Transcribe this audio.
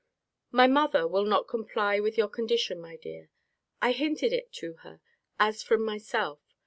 My mother will not comply with your condition, my dear. I hinted it to her, as from myself.